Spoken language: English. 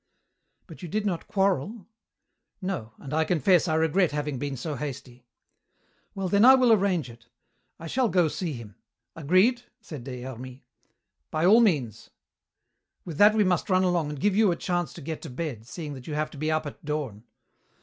"But you did not quarrel?" "No, and I confess I regret having been so hasty." "Well then, I will arrange it. I shall go see him agreed?" said Des Hermies. "By all means." "With that we must run along and give you a chance to get to bed, seeing that you have to be up at dawn."